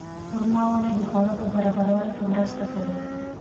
خورما ونې د خواړو په برابرولو کې مرسته کوي.